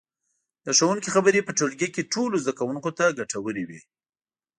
د ښوونکي خبرې په ټولګي کې ټولو زده کوونکو ته ګټورې وي.